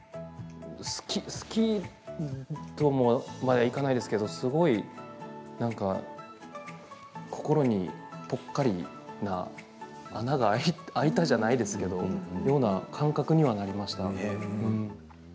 好きとまではいかないですけどすごいなんか心にぽっかり穴が開いたじゃないですけどような感覚には、なりましたね。